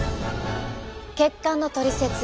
血管のトリセツ